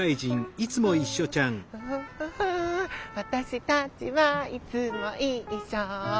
「わたしたちはいつもいっしょ」